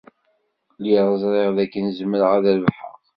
Lliɣ ẓriɣ dakken zemreɣ ad rebḥeɣ.